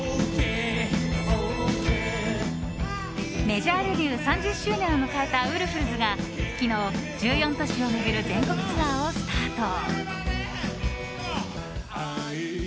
メジャーデビュー３０周年を迎えたウルフルズが昨日、１４都市を巡る全国ツアーをスタート。